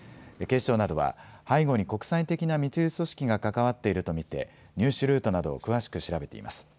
警視庁などは背後に国際的な密輸組織が関わっていると見て入手ルートなどを詳しく調べています。